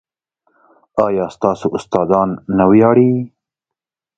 ایا ستاسو استادان نه ویاړي؟